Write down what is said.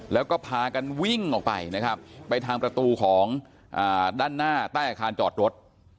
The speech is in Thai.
แล้วก็พากันวิ่งออกไปนะครับไปทางประตูของด้านหน้าใต้อาคารจอดรถ